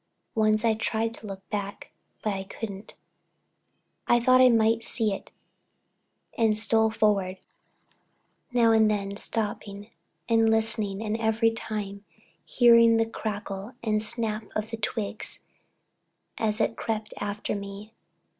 Once I tried to look back but I couldn't. I thought I might see it and I stole forward, now and then stopping and listening and every time hearing the crackle and snap of the twigs as it crept after me.